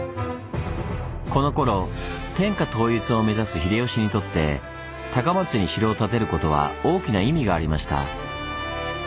このころ天下統一を目指す秀吉にとって高松に城を建てることは大きな意味がありました。